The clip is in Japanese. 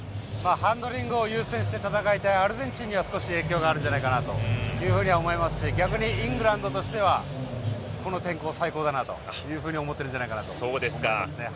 ハンドリングを優先して戦いたいアルゼンチンには少し影響があるんじゃないかなというふうに思いますし逆にイングランドとしてはこの天候、最高だなというふうに思ってるんじゃないかなと思いますね。